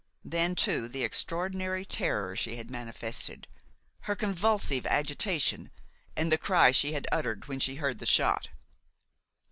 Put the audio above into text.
Then, too, the extraordinary terror she had manifested, her convulsive agitation, and the cry she had uttered when she heard the shot.